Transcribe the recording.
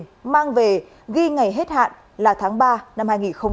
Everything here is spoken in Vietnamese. trại y tế xã thăng bình đang về ghi ngày hết hạn là tháng ba năm hai nghìn hai mươi ba